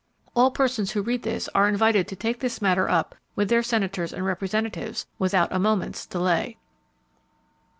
All persons who read this are invited to take this matter up with their Senators and Representatives, without a moment's delay.